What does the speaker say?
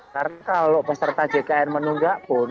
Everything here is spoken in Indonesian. karena kalau peserta jkn menunggak pun